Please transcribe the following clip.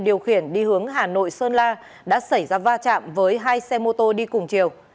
điều khiển đi hướng hà nội sơn la đã xảy ra va chạm với hai xe mô tô đi cùng chiều